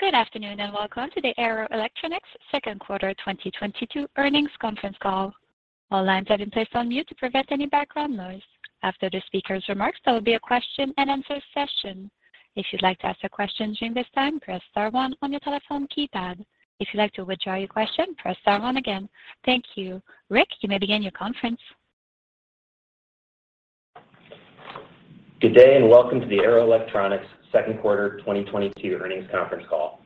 Good afternoon, and welcome to the Arrow Electronics second quarter 2022 earnings conference call. All lines have been placed on mute to prevent any background noise. After the speaker's remarks, there will be a question-and-answer session. If you'd like to ask a question during this time, press star one on your telephone keypad. If you'd like to withdraw your question, press star one again. Thank you. Rick, you may begin your conference. Good day, and welcome to the Arrow Electronics second quarter 2022 earnings conference call.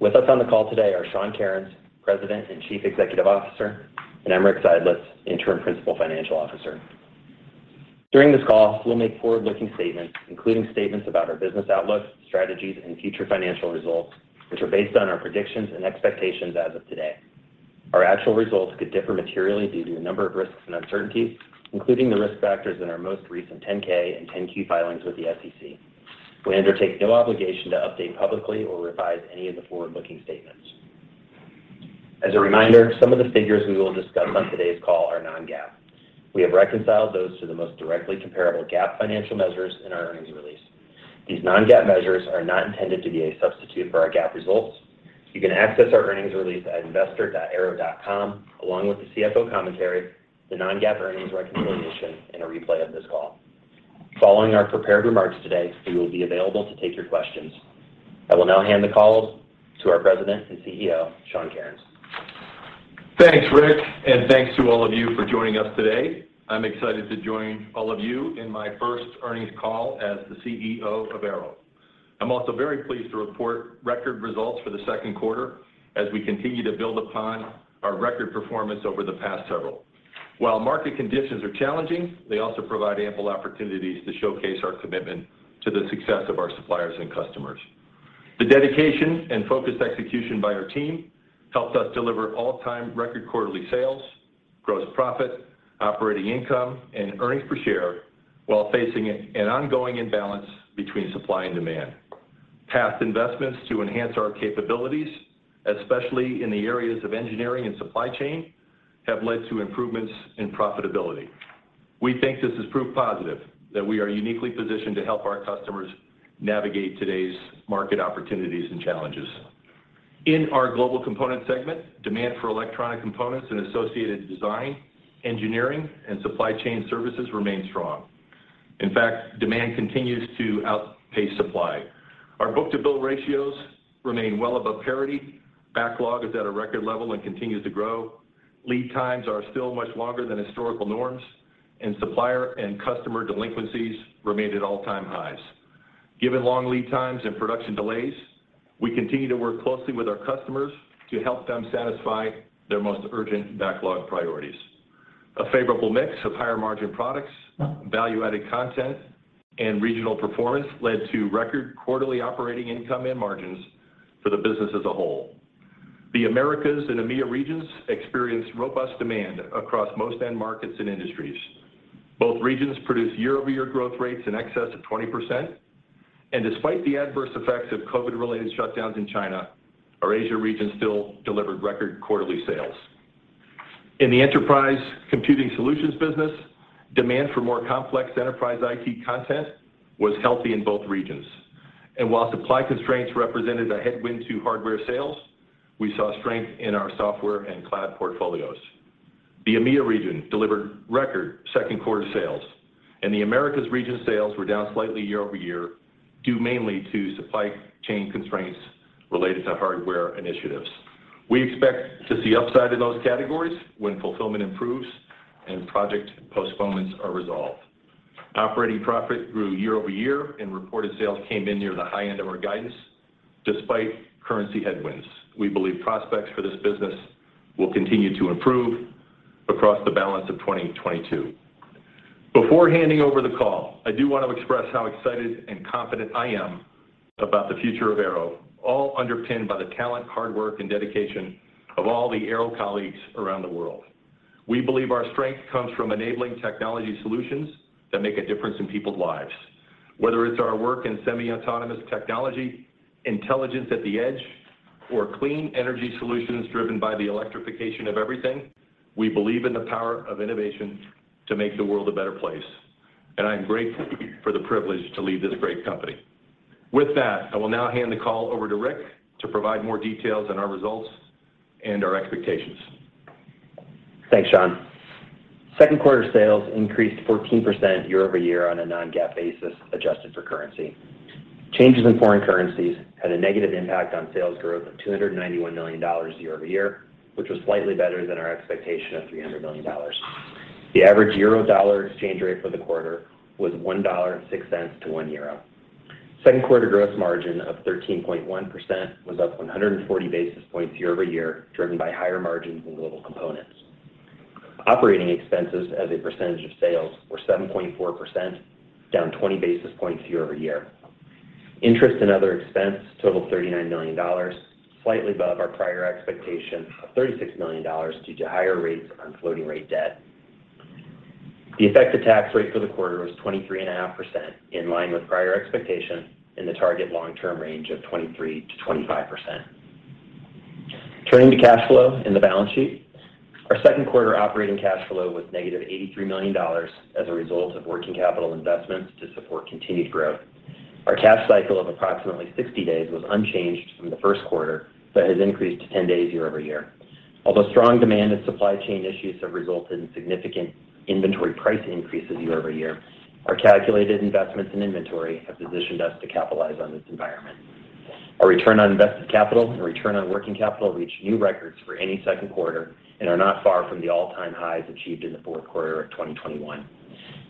With us on the call today are Sean Kerins, President and Chief Executive Officer, and Rick Seidlitz, Interim Principal Financial Officer. During this call, we'll make forward-looking statements, including statements about our business outlook, strategies and future financial results, which are based on our predictions and expectations as of today. Our actual results could differ materially due to a number of risks and uncertainties, including the risk factors in our most recent 10-K and 10-Q filings with the SEC. We undertake no obligation to update publicly or revise any of the forward-looking statements. As a reminder, some of the figures we will discuss on today's call are non-GAAP. We have reconciled those to the most directly comparable GAAP financial measures in our earnings release. These non-GAAP measures are not intended to be a substitute for our GAAP results. You can access our earnings release at investor.arrow.com, along with the CFO commentary, the non-GAAP earnings reconciliation, and a replay of this call. Following our prepared remarks today, we will be available to take your questions. I will now hand the call to our President and CEO, Sean Kerins. Thanks, Rick, and thanks to all of you for joining us today. I'm excited to join all of you in my first earnings call as the CEO of Arrow. I'm also very pleased to report record results for the second quarter as we continue to build upon our record performance over the past several. While market conditions are challenging, they also provide ample opportunities to showcase our commitment to the success of our suppliers and customers. The dedication and focused execution by our team helped us deliver all-time record quarterly sales, gross profit, operating income, and earnings per share, while facing an ongoing imbalance between supply and demand. Past investments to enhance our capabilities, especially in the areas of engineering and supply chain, have led to improvements in profitability. We think this is proof positive that we are uniquely positioned to help our customers navigate today's market opportunities and challenges. In our Global Components segment, demand for electronic components and associated design, engineering, and supply chain services remain strong. In fact, demand continues to outpace supply. Our book-to-bill ratios remain well above parity. Backlog is at a record level and continues to grow. Lead times are still much longer than historical norms, and supplier and customer delinquencies remained at all-time highs. Given long lead times and production delays, we continue to work closely with our customers to help them satisfy their most urgent backlog priorities. A favorable mix of higher-margin products, value-added content, and regional performance led to record quarterly operating income and margins for the business as a whole. The Americas and EMEA regions experienced robust demand across most end markets and industries. Both regions produced year-over-year growth rates in excess of 20%, and despite the adverse effects of COVID-related shutdowns in China, our Asia region still delivered record quarterly sales. In the Enterprise Computing Solutions business, demand for more complex enterprise IT content was healthy in both regions, and while supply constraints represented a headwind to hardware sales, we saw strength in our software and cloud portfolios. The EMEA region delivered record second-quarter sales, and the Americas region sales were down slightly year over year, due mainly to supply chain constraints related to hardware initiatives. We expect to see upside in those categories when fulfillment improves and project postponements are resolved. Operating profit grew year over year, and reported sales came in near the high end of our guidance, despite currency headwinds. We believe prospects for this business will continue to improve across the balance of 2022. Before handing over the call, I do want to express how excited and confident I am about the future of Arrow, all underpinned by the talent, hard work, and dedication of all the Arrow colleagues around the world. We believe our strength comes from enabling technology solutions that make a difference in people's lives. Whether it's our work in semi-autonomous technology, intelligence at the edge, or clean energy solutions driven by the electrification of everything, we believe in the power of innovation to make the world a better place, and I'm grateful for the privilege to lead this great company. With that, I will now hand the call over to Rick to provide more details on our results and our expectations. Thanks, Sean. Second quarter sales increased 14% year-over-year on a non-GAAP basis, adjusted for currency. Changes in foreign currencies had a negative impact on sales growth of $291 million year-over-year, which was slightly better than our expectation of $300 million. The average euro-dollar exchange rate for the quarter was $1.06 to one euro. Second quarter gross margin of 13.1% was up 140 basis points year-over-year, driven by higher margins in Global Components. Operating expenses as a percentage of sales were 7.4%, down 20 basis points year-over-year. Interest and other expense totaled $39 million, slightly above our prior expectation of $36 million due to higher rates on floating rate debt. The effective tax rate for the quarter was 23.5%, in line with prior expectations in the target long-term range of 23%-25%. Turning to cash flow and the balance sheet. Our second quarter operating cash flow was -$83 million as a result of working capital investments to support continued growth. Our cash cycle of approximately 60 days was unchanged from the first quarter, but has increased to 10 days year-over-year. Although strong demand and supply chain issues have resulted in significant inventory price increases year-over-year, our calculated investments in inventory have positioned us to capitalize on this environment. Our return on invested capital and return on working capital reached new records for any second quarter and are not far from the all-time highs achieved in the fourth quarter of 2021.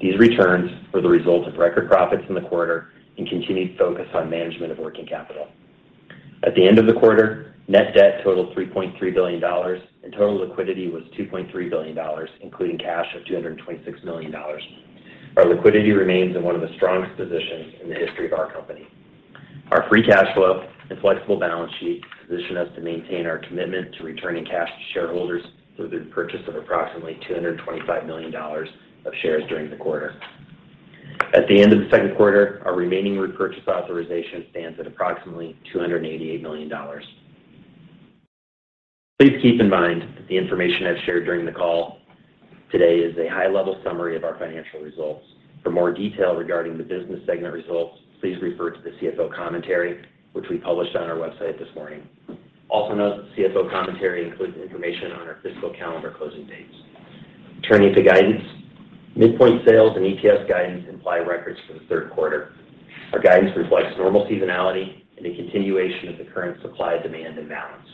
These returns were the result of record profits in the quarter and continued focus on management of working capital. At the end of the quarter, net debt totaled $3.3 billion, and total liquidity was $2.3 billion, including cash of $226 million. Our liquidity remains in one of the strongest positions in the history of our company. Our free cash flow and flexible balance sheet position us to maintain our commitment to returning cash to shareholders through the purchase of approximately $225 million of shares during the quarter. At the end of the second quarter, our remaining repurchase authorization stands at approximately $288 million. Please keep in mind that the information I've shared during the call today is a high-level summary of our financial results. For more detail regarding the business segment results, please refer to the CFO commentary, which we published on our website this morning. Also note that the CFO commentary includes information on our fiscal calendar closing dates. Turning to guidance. Midpoint sales and EPS guidance imply records for the third quarter. Our guidance reflects normal seasonality and a continuation of the current supply-demand imbalance.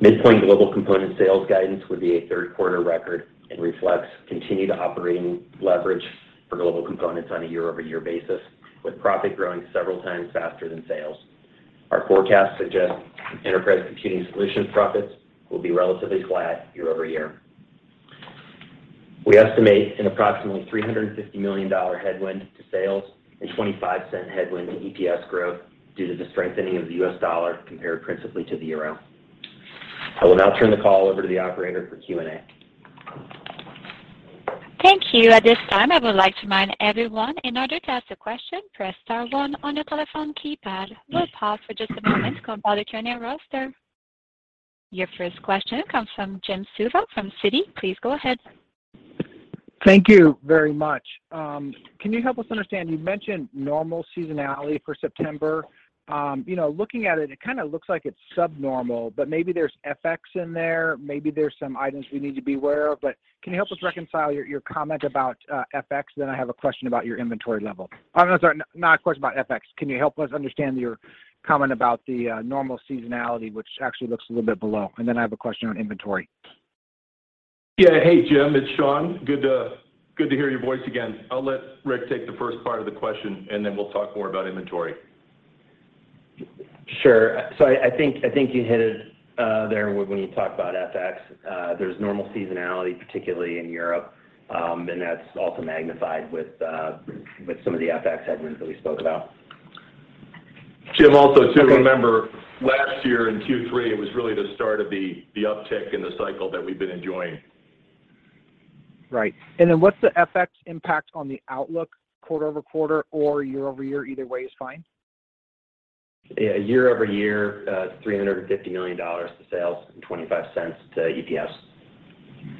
Midpoint Global Components sales guidance would be a third quarter record and reflects continued operating leverage for Global Components on a year-over-year basis, with profit growing several times faster than sales. Our forecast suggests Enterprise Computing Solutions profits will be relatively flat year-over-year. We estimate an approximately $350 million headwind to sales and $0.25 headwind to EPS growth due to the strengthening of the U.S. dollar compared principally to the euro. I will now turn the call over to the operator for Q&A. Thank you. At this time, I would like to remind everyone, in order to ask a question, press star one on your telephone keypad. We'll pause for just a moment to compile the turnout roster. Your first question comes from Jim Suva from Citi. Please go ahead. Thank you very much. Can you help us understand? You mentioned normal seasonality for September. You know, looking at it kind of looks like it's subnormal, but maybe there's FX in there. Maybe there's some items we need to be aware of. Can you help us reconcile your comment about FX? I have a question about your inventory level. I'm sorry, not a question about FX. Can you help us understand your comment about the normal seasonality, which actually looks a little bit below? I have a question on inventory. Hey, Jim, it's Sean. Good to hear your voice again. I'll let Rick take the first part of the question, and then we'll talk more about inventory. Sure. So I think you hit it there when you talk about FX. There's normal seasonality, particularly in Europe, and that's also magnified with some of the FX headwinds that we spoke about. Jim Suva, also too, remember last year in Q3, it was really the start of the uptick in the cycle that we've been enjoying. Right. Then what's the FX impact on the outlook quarter over quarter or year over year? Either way is fine. Year-over-year, $350 million to sales and $0.25 to EPS.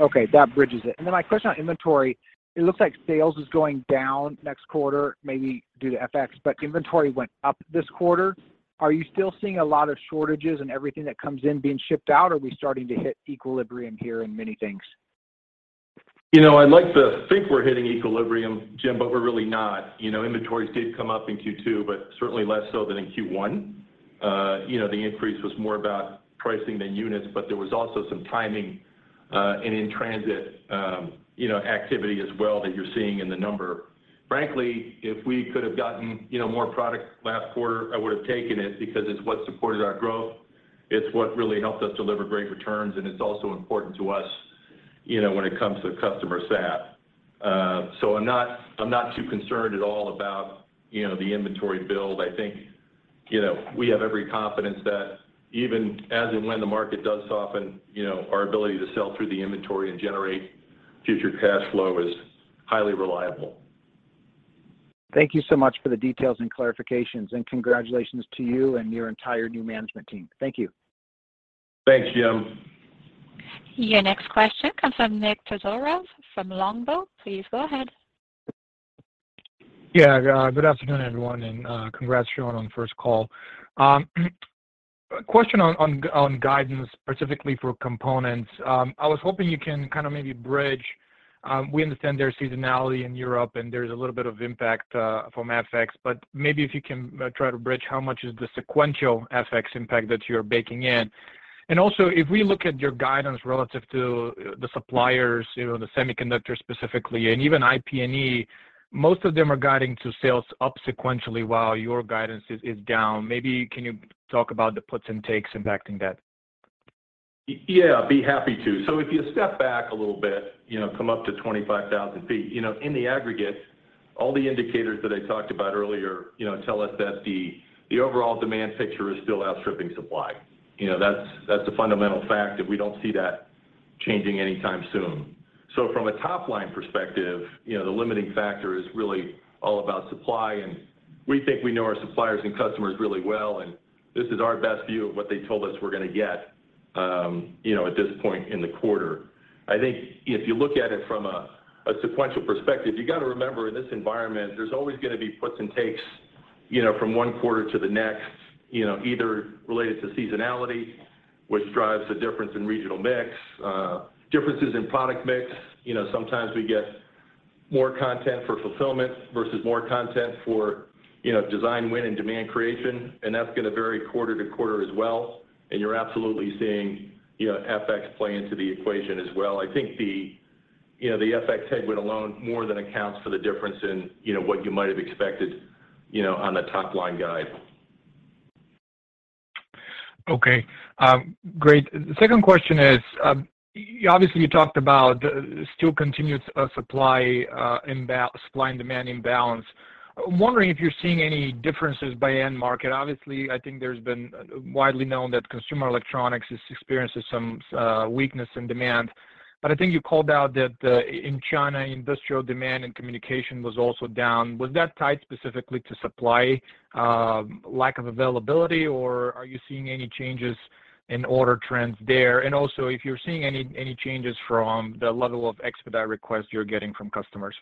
Okay. That bridges it. My question on inventory, it looks like sales is going down next quarter, maybe due to FX, but inventory went up this quarter. Are you still seeing a lot of shortages and everything that comes in being shipped out? Are we starting to hit equilibrium here in many things? You know, I'd like to think we're hitting equilibrium, Jim, but we're really not. You know, inventories did come up in Q2, but certainly less so than in Q1. You know, the increase was more about pricing than units, but there was also some timing, and in transit, you know, activity as well that you're seeing in the number. Frankly, if we could have gotten, you know, more product last quarter, I would have taken it because it's what supported our growth. It's what really helped us deliver great returns, and it's also important to us, you know, when it comes to customer sat. I'm not too concerned at all about, you know, the inventory build. I think, you know, we have every confidence that even as and when the market does soften, you know, our ability to sell through the inventory and generate future cash flow is highly reliable. Thank you so much for the details and clarifications, and congratulations to you and your entire new management team. Thank you. Thanks, Jim. Your next question comes from Nikolay Todorov from Longbow Research. Please go ahead. Yeah. Good afternoon, everyone, and congrats, Sean, on first call. Question on guidance, specifically for components. I was hoping you can kind of maybe bridge. We understand there's seasonality in Europe, and there's a little bit of impact from FX, but maybe if you can try to bridge how much is the sequential FX impact that you're baking in. Also, if we look at your guidance relative to the suppliers, you know, the semiconductors specifically, and even IP&E, most of them are guiding to sales up sequentially while your guidance is down. Maybe can you talk about the puts and takes impacting that? Yeah, be happy to. If you step back a little bit, you know, come up to 25,000 feet, you know, in the aggregate, all the indicators that I talked about earlier, you know, tell us that the overall demand picture is still outstripping supply. You know, that's the fundamental fact. If we don't see that Changing anytime soon. From a top-line perspective, you know, the limiting factor is really all about supply, and we think we know our suppliers and customers really well, and this is our best view of what they told us we're gonna get, you know, at this point in the quarter. I think if you look at it from a sequential perspective, you gotta remember, in this environment, there's always gonna be puts and takes, you know, from one quarter to the next, you know, either related to seasonality, which drives the difference in regional mix, differences in product mix. You know, sometimes we get more content for fulfillment versus more content for, you know, design win and demand creation, and that's gonna vary quarter to quarter as well, and you're absolutely seeing, you know, FX play into the equation as well. I think the, you know, the FX headwind alone more than accounts for the difference in, you know, what you might have expected, you know, on the top-line guide. Okay. Great. The second question is, obviously, you talked about still continued supply and demand imbalance. I'm wondering if you're seeing any differences by end market. Obviously, I think it's been widely known that consumer electronics is experiencing some weakness in demand. I think you called out that, in China, industrial demand and communications was also down. Was that tied specifically to supply lack of availability, or are you seeing any changes in order trends there? Also if you're seeing any changes from the level of expedite requests you're getting from customers.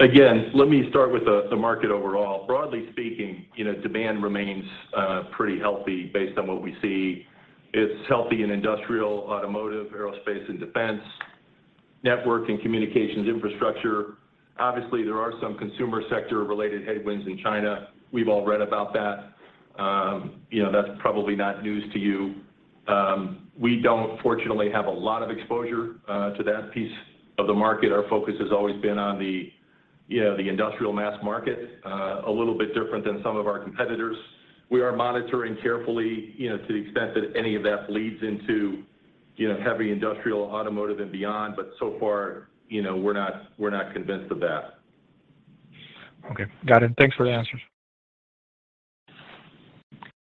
Again, let me start with the market overall. Broadly speaking, you know, demand remains pretty healthy based on what we see. It's healthy in industrial, automotive, aerospace and defense, network and communications infrastructure. Obviously, there are some consumer sector related headwinds in China. We've all read about that. You know, that's probably not news to you. We don't fortunately have a lot of exposure to that piece of the market. Our focus has always been on the, you know, the industrial mass market, a little bit different than some of our competitors. We are monitoring carefully, you know, to the extent that any of that bleeds into, you know, heavy industrial, automotive and beyond, but so far, you know, we're not convinced of that. Okay. Got it. Thanks for the answers.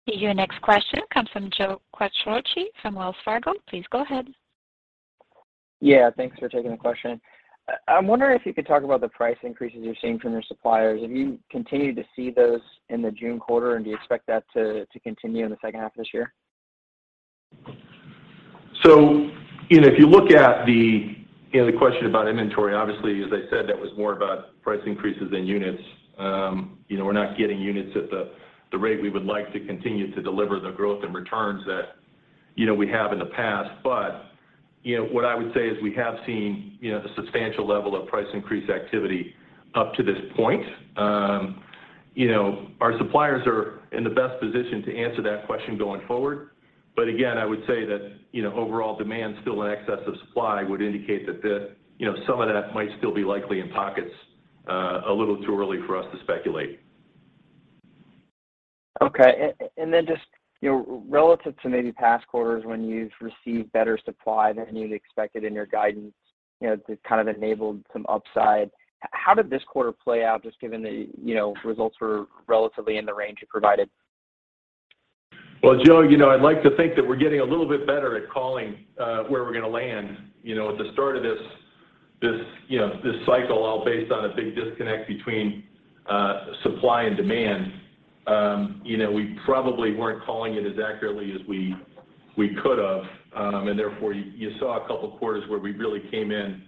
Your next question comes from Joseph Quatrochi from Wells Fargo. Please go ahead. Yeah, thanks for taking the question. I'm wondering if you could talk about the price increases you're seeing from your suppliers. Have you continued to see those in the June quarter, and do you expect that to continue in the second half of this year? You know, if you look at the question about inventory, obviously, as I said, that was more about price increases than units. You know, we're not getting units at the rate we would like to continue to deliver the growth and returns that you know we have in the past. You know, what I would say is we have seen you know a substantial level of price increase activity up to this point. You know, our suppliers are in the best position to answer that question going forward. Again, I would say that you know overall demand still in excess of supply would indicate that the you know some of that might still be likely in pockets, a little too early for us to speculate. Okay. And then just, you know, relative to maybe past quarters when you've received better supply than you'd expected in your guidance, you know, to kind of enable some upside, how did this quarter play out, just given the, you know, results were relatively in the range you provided? Well, Joe, you know, I'd like to think that we're getting a little bit better at calling where we're gonna land. You know, at the start of this cycle, all based on a big disconnect between supply and demand, you know, we probably weren't calling it as accurately as we could have. Therefore you saw a couple of quarters where we really came in,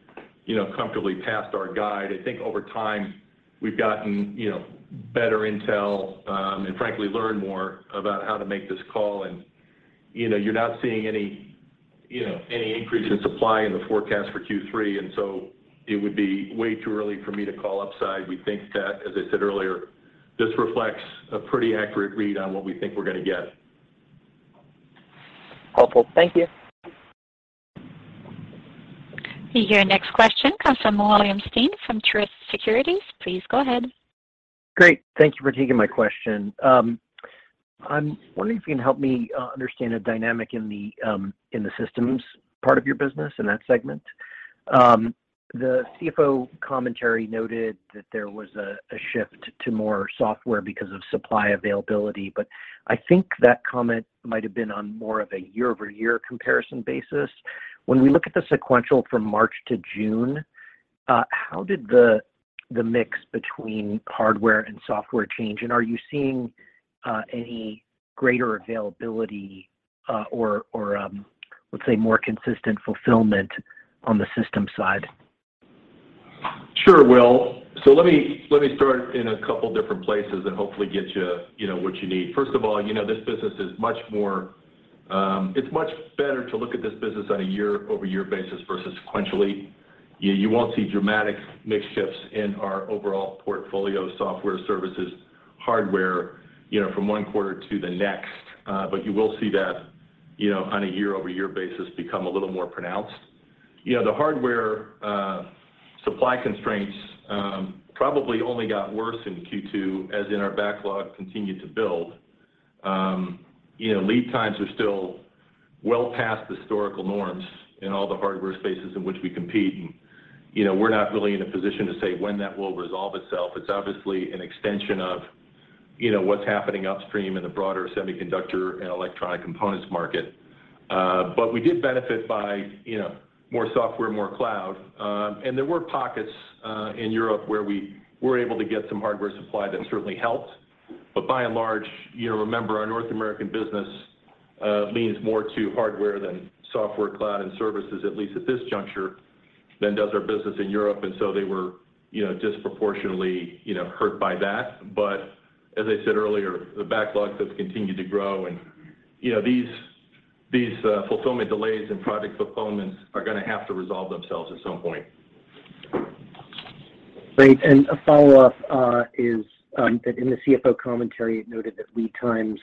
you know, comfortably past our guide. I think over time, we've gotten you know, better intel and frankly learned more about how to make this call in. You know, you're not seeing any you know, any increase in supply in the forecast for Q3, and so it would be way too early for me to call upside. We think that, as I said earlier, this reflects a pretty accurate read on what we think we're gonna get. Helpful. Thank you. Your next question comes from William Stein from Truist Securities. Please go ahead. Great. Thank you for taking my question. I'm wondering if you can help me understand a dynamic in the systems part of your business in that segment. The CFO commentary noted that there was a shift to more software because of supply availability, but I think that comment might have been on more of a year-over-year comparison basis. When we look at the sequential from March to June, how did the mix between hardware and software change, and are you seeing any greater availability or let's say more consistent fulfillment on the system side? Sure, Will. Let me start in a couple different places and hopefully get you know, what you need. First of all, you know, this business is much more. It's much better to look at this business on a year-over-year basis versus sequentially. You won't see dramatic mix shifts in our overall portfolio software services hardware, you know, from one quarter to the next. But you will see that, you know, on a year-over-year basis become a little more pronounced. You know, the hardware supply constraints probably only got worse in Q2, as our backlog continued to build. You know, lead times are still well past historical norms in all the hardware spaces in which we compete, and, you know, we're not really in a position to say when that will resolve itself. It's obviously an extension of. You know, what's happening upstream in the broader semiconductor and electronic components market. We did benefit by, you know, more software, more cloud, and there were pockets in Europe where we were able to get some hardware supply that certainly helped. By and large, you know, remember our North American business leans more to hardware than software, cloud, and services, at least at this juncture, than does our business in Europe. They were, you know, disproportionately, you know, hurt by that. As I said earlier, the backlog has continued to grow and, you know, these fulfillment delays and product postponements are gonna have to resolve themselves at some point. Great. A follow-up, is that in the CFO commentary, it noted that lead times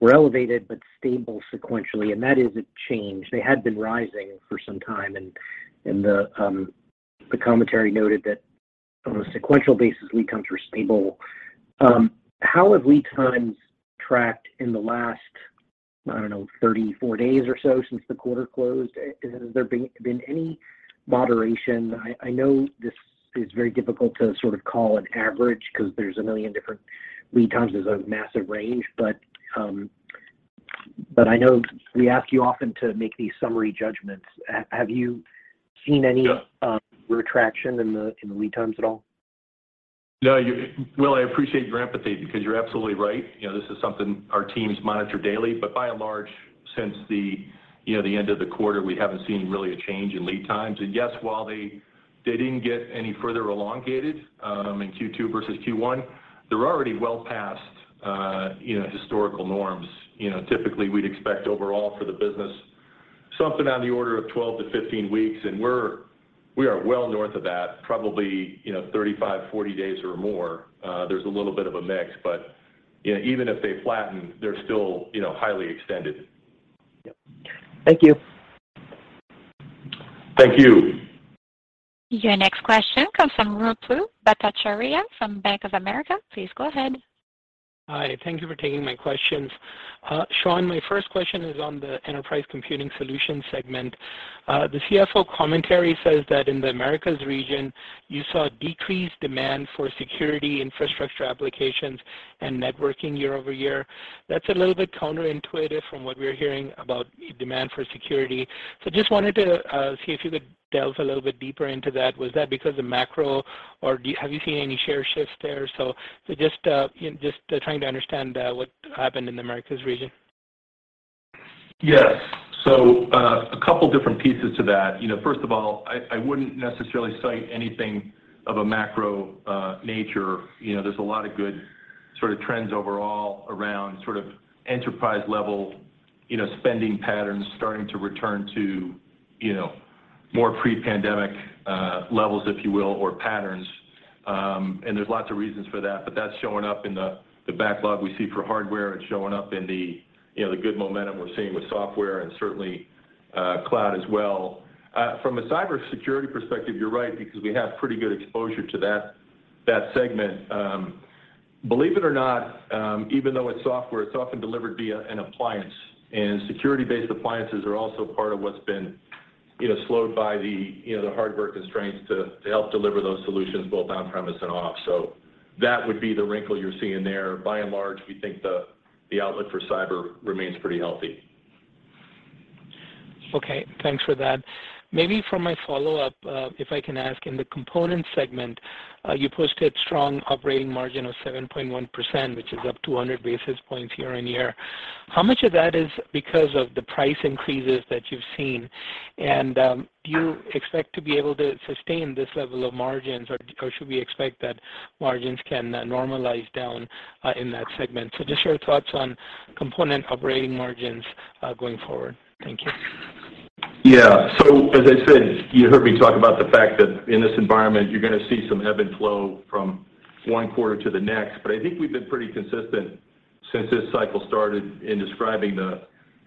were elevated but stable sequentially, and that is a change. They had been rising for some time and the commentary noted that on a sequential basis, lead times were stable. How have lead times tracked in the last, I don't know, 34 days or so since the quarter closed? Has there been any moderation? I know this is very difficult to sort of call an average because there's a million different lead times. There's a massive range. I know we ask you often to make these summary judgments. Have you seen any retraction in the lead times at all? No. William, I appreciate your empathy because you're absolutely right. You know, this is something our teams monitor daily. By and large, since the end of the quarter, we haven't seen really a change in lead times. Yes, while they didn't get any further elongated in Q2 versus Q1, they're already well past historical norms. You know, typically we'd expect overall for the business something on the order of 12-15 weeks, and we are well north of that, probably, you know, 35-40 weeks or more. There's a little bit of a mix, but, you know, even if they flatten, they're still highly extended. Yep. Thank you. Thank you. Your next question comes from Ruplu Bhattacharya from Bank of America. Please go ahead. Hi. Thank you for taking my questions. Sean, my first question is on the Enterprise Computing Solutions segment. The CFO commentary says that in the Americas region, you saw decreased demand for security infrastructure applications and networking year-over-year. That's a little bit counterintuitive from what we're hearing about demand for security. So just wanted to see if you could delve a little bit deeper into that. Was that because of macro, or have you seen any share shifts there? So just you know just trying to understand what happened in the Americas region. Yes. A couple different pieces to that. You know, first of all, I wouldn't necessarily cite anything of a macro nature. You know, there's a lot of good sort of trends overall around sort of enterprise level, you know, spending patterns starting to return to, you know, more pre-pandemic levels, if you will, or patterns. There's lots of reasons for that, but that's showing up in the backlog we see for hardware and showing up in the you know the good momentum we're seeing with software and certainly cloud as well. From a cybersecurity perspective, you're right because we have pretty good exposure to that segment. Believe it or not, even though it's software, it's often delivered via an appliance. Security-based appliances are also part of what's been, you know, slowed by the, you know, the hardware constraints to help deliver those solutions both on-premise and off. That would be the wrinkle you're seeing there. By and large, we think the outlook for cyber remains pretty healthy. Okay. Thanks for that. Maybe for my follow-up, if I can ask, in the component segment, you posted strong operating margin of 7.1%, which is up 200 basis points year-on-year. How much of that is because of the price increases that you've seen? And, do you expect to be able to sustain this level of margins or should we expect that margins can normalize down in that segment? Just your thoughts on component operating margins going forward. Thank you. Yeah. As I said, you heard me talk about the fact that in this environment you're gonna see some ebb and flow from one quarter to the next. I think we've been pretty consistent since this cycle started in describing the,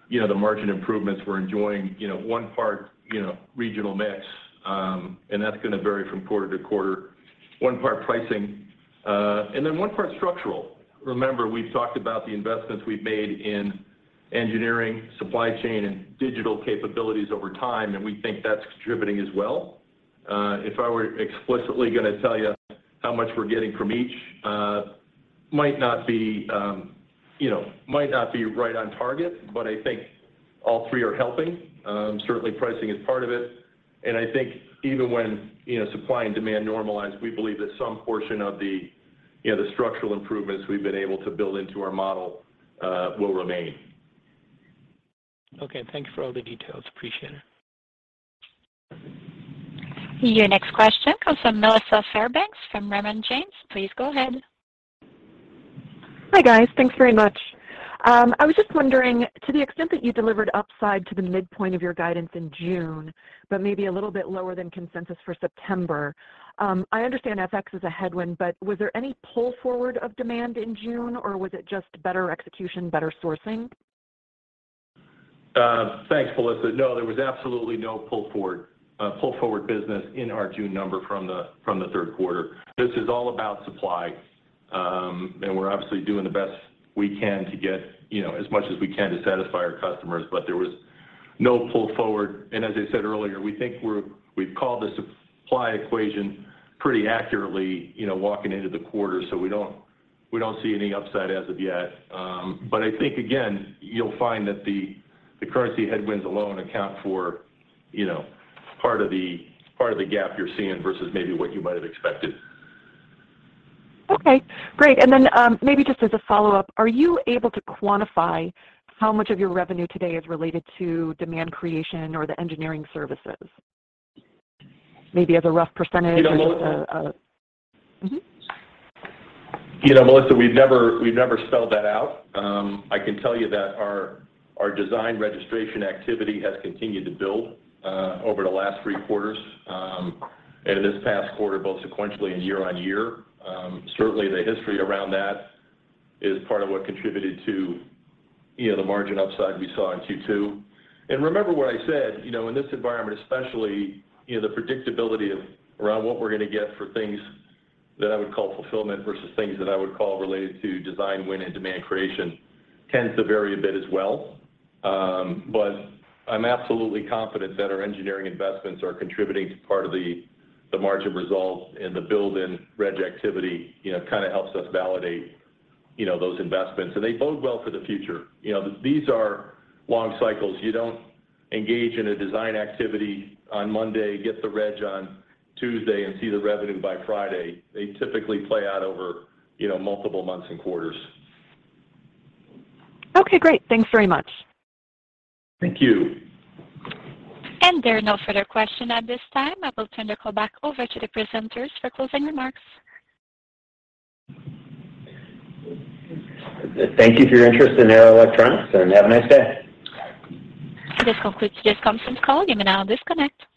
you know, the margin improvements we're enjoying. You know, one part, you know, regional mix, and that's gonna vary from quarter to quarter. One part pricing, and then one part structural. Remember, we've talked about the investments we've made in engineering, supply chain, and digital capabilities over time, and we think that's contributing as well. If I were explicitly gonna tell you how much we're getting from each, might not be, you know, might not be right on target, but I think all three are helping. Certainly pricing is part of it. I think even when, you know, supply and demand normalize, we believe that some portion of the, you know, the structural improvements we've been able to build into our model will remain. Okay. Thank you for all the details. Appreciate it. Your next question comes from Melissa Fairbanks from Raymond James. Please go ahead. Hi, guys. Thanks very much. I was just wondering, to the extent that you delivered upside to the midpoint of your guidance in June, but maybe a little bit lower than consensus for September, I understand FX is a headwind, but was there any pull forward of demand in June, or was it just better execution, better sourcing? Thanks, Melissa. No, there was absolutely no pull forward business in our June number from the third quarter. This is all about supply, and we're obviously doing the best we can to get, you know, as much as we can to satisfy our customers. There was no pull forward. As I said earlier, we think we've called the supply equation pretty accurately, you know, walking into the quarter, so we don't see any upside as of yet. I think again, you'll find that the currency headwinds alone account for, you know, part of the gap you're seeing versus maybe what you might have expected. Okay, great. Maybe just as a follow-up, are you able to quantify how much of your revenue today is related to demand creation or the engineering services? Maybe as a rough percentage or as a You know, Melissa- Mm-hmm. You know, Melissa, we've never spelled that out. I can tell you that our design registration activity has continued to build over the last three quarters, and in this past quarter, both sequentially and year-on-year. Certainly the history around that is part of what contributed to, you know, the margin upside we saw in Q2. Remember what I said, you know, in this environment especially, you know, the predictability of around what we're gonna get for things that I would call fulfillment versus things that I would call related to design win and demand creation tends to vary a bit as well. I'm absolutely confident that our engineering investments are contributing to part of the margin results and the build in reg activity, you know, kind of helps us validate, you know, those investments, and they bode well for the future. You know, these are long cycles. You don't engage in a design activity on Monday, get the reg on Tuesday, and see the revenue by Friday. They typically play out over, you know, multiple months and quarters. Okay, great. Thanks very much. Thank you. There are no further questions at this time. I will turn the call back over to the presenters for closing remarks. Thank you for your interest in Arrow Electronics, and have a nice day. This concludes today's conference call. You may now disconnect.